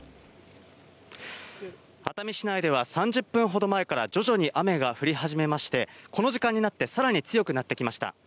熱海市内では３０分ほど前から徐々に雨が降り始めまして、この時間になってさらに強くなってきました。